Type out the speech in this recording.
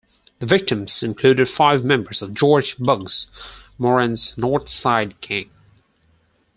The victims included five members of George "Bugs" Moran's North Side Gang.